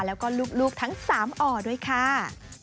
แล้วก็ลูกทั้ง๓อ่อด้วยค่ะ